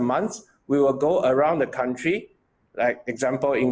dalam beberapa minggu dan bulan berikutnya kita akan meneruskan